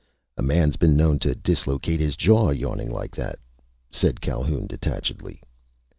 "A man's been known to dislocate his jaw, yawning like that," said Calhoun detachedly.